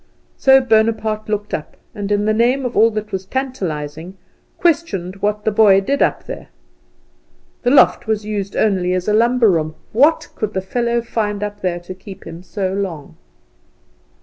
So Bonaparte looked up, and in the name of all that was tantalizing, questioned what the boy did up there. The loft was used only as a lumber room. What could the fellow find up there to keep him so long?